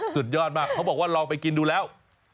สุดยอดมากเขาบอกว่าลองไปกินดูแล้ว